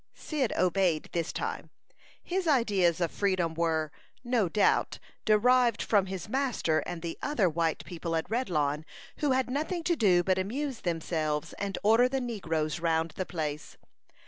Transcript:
Cyd obeyed this time. His ideas of freedom were, no doubt, derived from his master and the other white people at Redlawn, who had nothing to do but amuse themselves and order the negroes round the place.